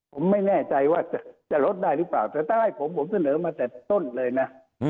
ผมไม่แน่ใจว่าจะลดได้หรือเปล่าแต่ถ้าให้ผมผมเสนอมาแต่ต้นเลยนะ